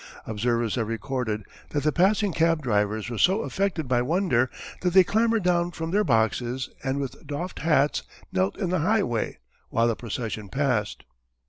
Observers have recorded that the passing cab drivers were so affected by wonder that they clambered down from their boxes and with doffed hats knelt in the highway while the procession passed.